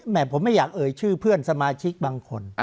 ผมไม่อยากเอ่ยชื่อเพื่อนสมาชิกบางคน